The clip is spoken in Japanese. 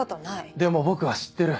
でも僕は知ってる。